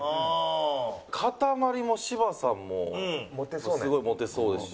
かたまりも芝さんもすごいモテそうですし。